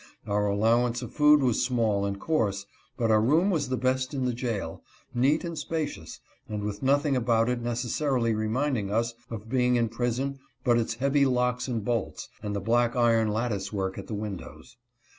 Our allowance of food was small and coarse, but our room was the best in the jail — neat and spacious, and with nothing about it necessarily reminding us of being in prison but its heavy locks and bolts and the black iron lattice work at the windows.